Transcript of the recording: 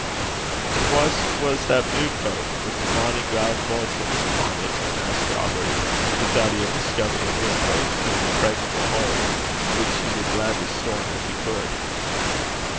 'And whase was that blue coat wi' the bonny gowd buttons upo' 't?' asked Robert, who thought he had discovered a new approach to an impregnable hold, which he would gladly storm if he could.